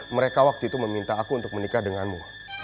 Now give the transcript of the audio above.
mereka waktu itu meminta aku untuk menikah denganmu